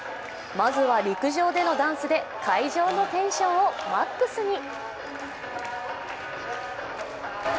まずは陸上でのダンスで会場のテンションをマックスに。